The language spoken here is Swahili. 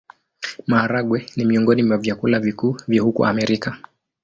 Maharagwe ni miongoni mwa vyakula vikuu vya huko Amerika.